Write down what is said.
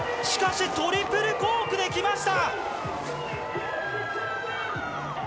しかし、トリプルコークできた！